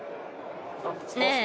ねえ